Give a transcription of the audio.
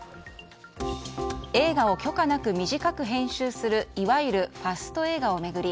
映画を許可なく短く編集するいわゆるファスト映画を巡り